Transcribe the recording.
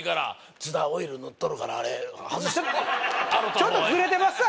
ちょっとズレてますわ